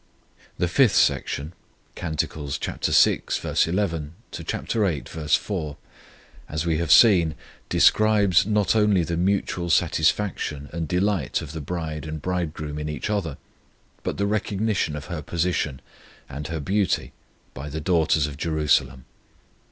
The fifth section (Cant. vi. 11 viii. 4), as we have seen, describes not only the mutual satisfaction and delight of the bride and Bridegroom in each other, but the recognition of her position and her beauty by the daughters of Jerusalem.